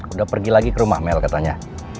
udah pergi lagi ke rumah mel katanya